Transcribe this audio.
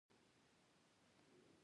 وچي شوې